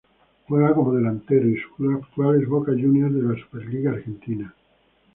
Juega como delantero y su club actual es Boca Juniors de la Superliga Argentina.